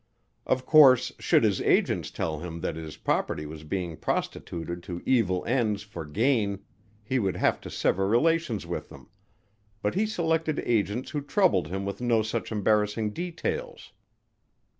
Of course should his agents tell him that his property was being prostituted to evil ends for gain he would have to sever relations with them, but he selected agents who troubled him with no such embarrassing details.